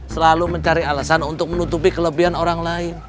selalu mencari alasan untuk menutupi kelebihan orang lain